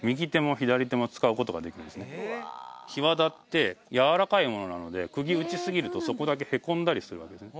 檜皮ってやわらかいものなので釘打ち過ぎるとそこだけへこんだりするわけですね